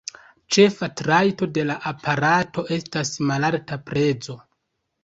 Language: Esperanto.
Ĉefa trajto de la aparato estas malalta prezo.